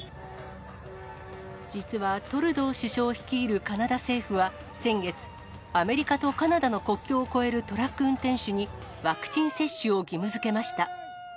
実はトルドー首相率いるカナダ政府は先月、アメリカとカナダの国境を越えるトラック運転手に、ワクチン接種を義務づけました。